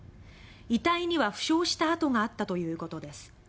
遺体には負傷した痕があったということです。